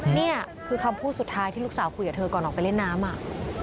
นี่คือคำพูดสุดท้ายที่ลูกสาวคุยกับเธอก่อนออกไปเล่นน้ำอ่ะ